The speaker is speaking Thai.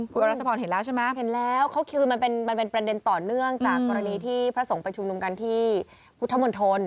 คุณอรัชพรเห็นแล้วใช่ไหมเห็นแล้วเขาคิวมันเป็นประเด็นต่อเนื่องจากกรณีที่พระสงฆ์ไปชุมนุมกันที่พุทธมนตร